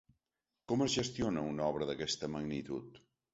Com es gestiona una obra d’aquesta magnitud?